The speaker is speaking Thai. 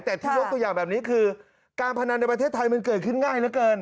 แต่ที่ยกตัวอย่างแบบนี้คือการพนันในประเทศไทยมันเกิดขึ้นง่ายเหลือเกิน